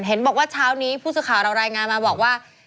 เห็นบอกว่าเช้านี้ผู้สื่อข่าวเรารายงานมาบอกว่า